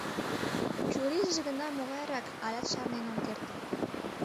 Чурийже гына могайрак, алят шарнен ок керт.